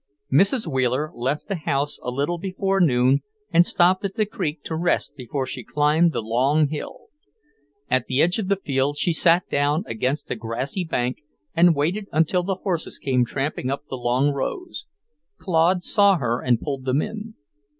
Mrs. Wheeler left the house a little before noon and stopped at the creek to rest before she climbed the long hill. At the edge of the field she sat down against a grassy bank and waited until the horses came tramping up the long rows. Claude saw her and pulled them in.